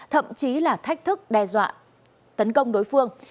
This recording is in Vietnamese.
thậm chí là thách thức đe dọa tấn công đối phương